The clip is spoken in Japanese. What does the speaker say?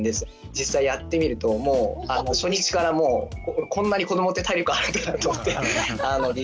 実際やってみるともう初日からもうこんなに子どもって体力あるんだと思ってびっくりしました。